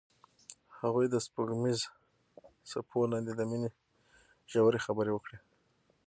هغوی د سپوږمیز څپو لاندې د مینې ژورې خبرې وکړې.